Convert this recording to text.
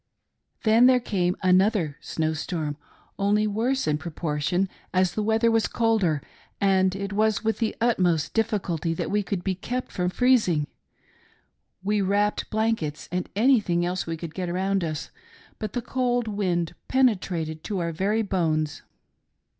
Then there came another snow storm, only worse in proportion as the weather was colder, and it was with the ut most difficulty that we could be kept from freezing. We wrapped blankets and anything else we could get around us, but the cold wind penetrated to our very bones.